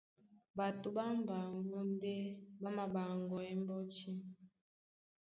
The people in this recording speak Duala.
Ɓato ɓá mbaŋgó ndé ɓá māɓaŋgwɛɛ́ mbɔ́tí.